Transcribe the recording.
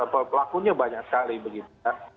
pelakunya banyak sekali begitu ya